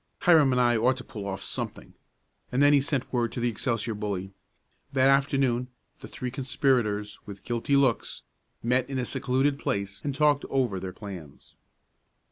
Hiram and I ought to pull off something," and then he sent word to the Excelsior bully. That afternoon the three conspirators, with guilty looks, met in a secluded place and talked over their plans.